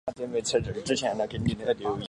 普瓦夫雷人口变化图示